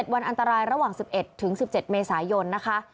วันอันตรายระหว่าง๑๑ถึง๑๗เมษายนนะคะ